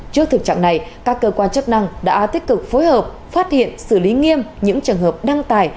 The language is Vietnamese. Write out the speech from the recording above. trước thực trạng này các cơ quan chức năng đã tích cực phối hợp phát hiện xử lý nghiêm những trường hợp đăng tải